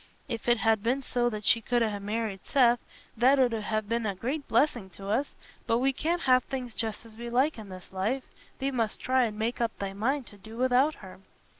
If it had been so that she could ha' married Seth, that 'ud ha' been a great blessing to us, but we can't have things just as we like in this life. Thee must try and make up thy mind to do without her."